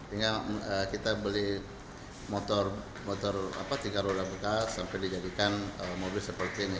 tinggal kita beli motor tiga roda bekas sampai dijadikan mobil seperti ini